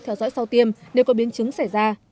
theo dõi sau tiêm nếu có biến chứng xảy ra